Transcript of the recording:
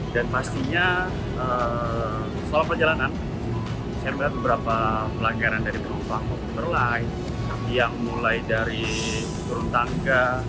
dan pastinya selama perjalanan saya melihat beberapa pelagaran dari penumpang komuter lain yang mulai dari turun tangga